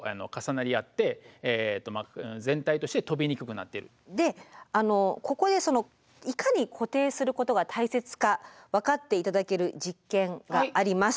防災瓦というのはですねでここでいかに固定することが大切か分かっていただける実験があります。